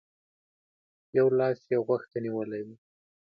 يو لاس يې غوږ ته نيولی و.